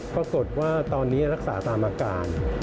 ปรากฏว่าตอนนี้รักษาตามอาการ